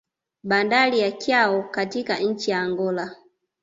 Bandari ya Caio katika nchi ya Angola